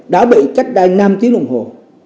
đã bị cách đây năm tiếng đồng hồ